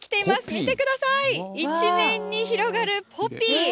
見てください、一面に広がるポピー。